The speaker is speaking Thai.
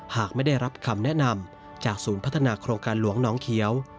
หากไม่ได้รับคำแนะนำจากศูนย์พัฒนาโครงการหลวงน้องเขียว